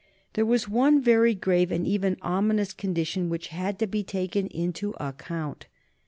There was one very grave and even ominous condition which had to be taken into account.